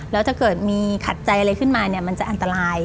แล้วถ้าเกิดมีขัดใจอะไรขึ้นมาเนี่ยมันจะอันตราย